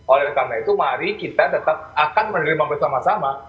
oleh karena itu mari kita tetap akan menerima bersama sama